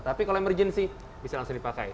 tapi kalau emergency bisa langsung dipakai